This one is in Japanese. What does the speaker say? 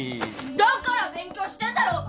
だから勉強してんだろうが！